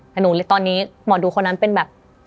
หนูตอนนี้หมอดูคนนั้นเป็นแบบ